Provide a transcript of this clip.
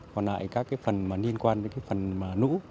còn lại các cái phần mà liên quan đến cái phần nũ